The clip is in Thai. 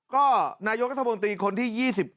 ก็นายกรัฐมนตรีคนที่๒๙